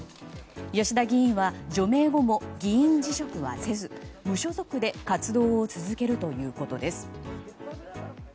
吉田議員は除名後も議員辞職はせず無所属で活動を続けるということです。